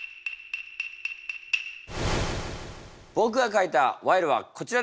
ぼくが書いた賄賂はこちらです！